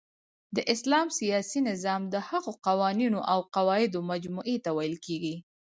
د اسلام سیاسی نظام د هغو قوانینو اوقواعدو مجموعی ته ویل کیږی